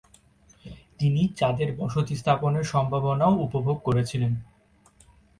তিনি চাঁদের বসতি স্থাপনের সম্ভাবনাও উপভোগ করেছিলেন।